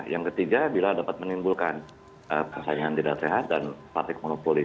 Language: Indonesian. yang ketiga bila dapat menimbulkan persaingan tidak sehat dan praktik monopoli